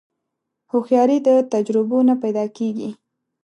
هوښیاري د تجربو نه پیدا کېږي.